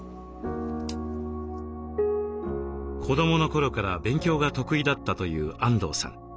子どもの頃から勉強が得意だったというあんどうさん